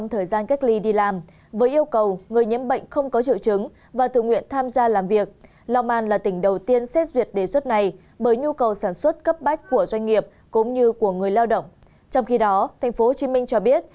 hãy đăng ký kênh để ủng hộ kênh của chúng mình nhé